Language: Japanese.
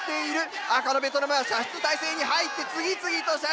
赤のベトナムは射出態勢に入って次々と射出！